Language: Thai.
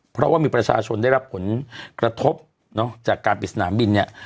เพราะว่ามีประชาชนได้รับผลกระทบเนอะจากการปิดสนามบินเนี่ย